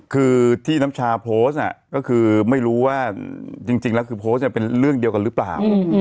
คือที่น้ำชาโพสต์ก็คือไม่รู้ว่าจริงแล้วคือโพสต์เป็นเรื่องเดียวกันหรือเปล่า